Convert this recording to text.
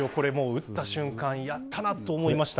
打った瞬間やったなと思いました。